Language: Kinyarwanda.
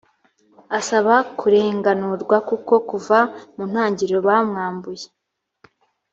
asaba kurenganurwa kuko kuva mu ntangiriro bamwambuye